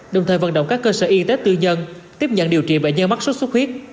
đồng thời vận động các cơ sở y tế tư nhân tiếp nhận điều trị bệnh nhân mắc sốt xuất huyết